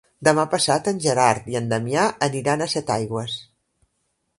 Demà passat en Gerard i en Damià aniran a Setaigües.